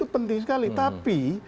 penting sekali tapi